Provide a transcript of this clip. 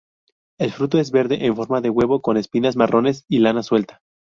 El fruto es verde en forma de huevo con espinas marrones y lana suelta.